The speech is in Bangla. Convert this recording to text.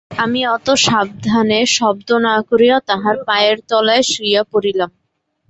আমি অতি সাবধানে শব্দ না করিয়া তাঁহার পায়ের তলায় শুইয়া পড়িলাম।